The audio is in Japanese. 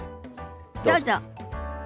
どうぞ。